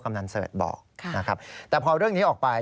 ำนันเสิร์ชบอกนะครับแต่พอเรื่องนี้ออกไป